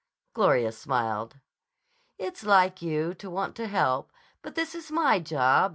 Gloria smiled. "It's like you to want to help. But this is my job.